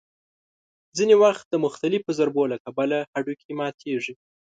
ځینې وخت د مختلفو ضربو له کبله هډوکي ماتېږي.